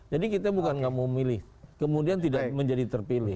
jadi kita bukan nggak mau memilih kemudian tidak menjadi terpilih